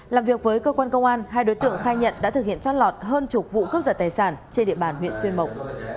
làm việc với cơ quan công an hai đối tượng khai nhận đã thực hiện trót lọt hơn chục vụ cướp giật tài sản trên địa bàn huyện xuyên mộc